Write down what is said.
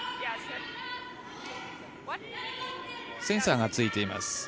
センサーがついています。